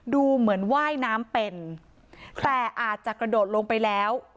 ดูเหมือนว่ายน้ำเป็นแต่อาจจะกระโดดลงไปแล้ว